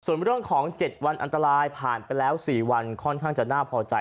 ส่วนเรื่องของ๗วันอันตรายผ่านไปแล้ว๔วันค่อนข้างจะน่าพอใจ